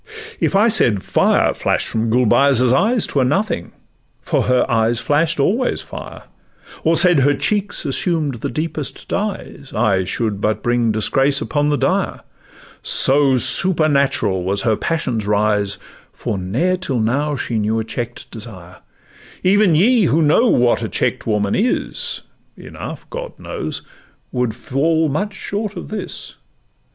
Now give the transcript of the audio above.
If I said fire flash'd from Gulbeyaz' eyes, 'Twere nothing—for her eyes flash'd always fire; Or said her cheeks assumed the deepest dyes, I should but bring disgrace upon the dyer, So supernatural was her passion's rise; For ne'er till now she knew a check'd desire: Even ye who know what a check'd woman is (Enough, God knows!) would much fall short of this.